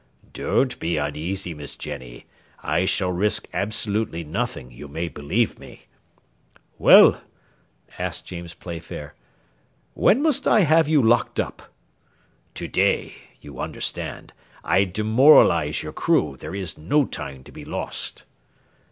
"Don't be uneasy, Miss Jenny, I shall risk absolutely nothing, you may believe me." "Well," asked James Playfair, "when must I have you locked up?" "To day you understand I demoralise your crew; there is no time to be lost."